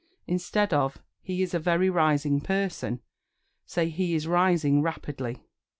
Instead of "He is a very rising person," say "He is rising rapidly."